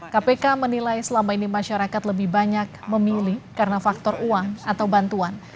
kpk menilai selama ini masyarakat lebih banyak memilih karena faktor uang atau bantuan